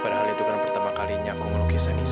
padahal itu kan pertama kalinya aku mau lukis anissa